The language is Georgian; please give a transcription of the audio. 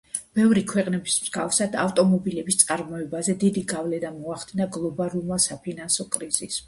ბევრი ქვეყნის მსგავსად, ავტომობილების წარმოებაზე დიდი გავლენა მოახდინა გლობალურმა საფინანსო კრიზისმა.